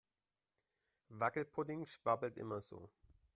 Wackelpudding schwabbelt immer so.